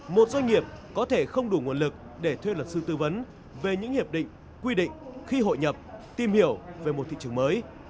một doanh nghiệp có thể không đủ nguồn lực để thuê luật sư tư vấn về những hiệp định quy định khi hội nhập tìm hiểu về một thị trường mới